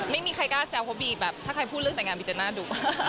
ไม่มีใครกล้าแซวเขาบีแบบถ้าใครพูดเรื่องแต่งงานบีจะน่าดู